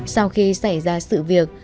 sau khi xảy ra sự việc